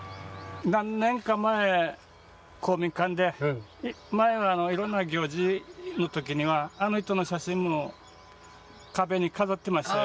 何年か前公民館で前はいろんな行事の時にはあの人の写真も壁に飾ってましたよ。